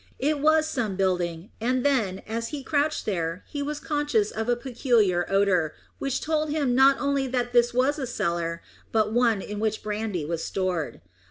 It was some building, and then, as he crouched there, he was conscious of a peculiar odour, which told him not only that this was a cellar, but one in which brandy was stored.